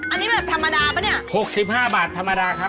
อันนี้แบบธรรมดาป่ะเนี่ย๖๕บาทธรรมดาครับ